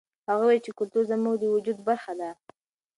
هغه وویل چې کلتور زموږ د وجود برخه ده.